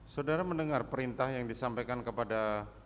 saudara mendengar perintah yang disampaikan kepada